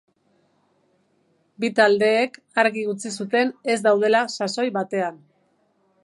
Bi taldeek argi utzi zuten ez daudela sasoi betean.